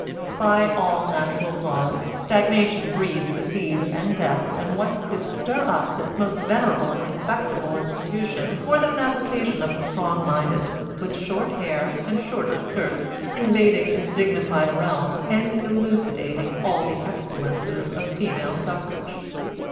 "By all natural laws, stagnation breeds disease and death, and what could stir up this most venerable and respectable institution more than an application of the strong minded, with short hair and shorter skirts, invading its dignified realm and elucidating all the excellences of female suffrage.